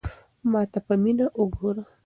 ما ته په مینه وگوره.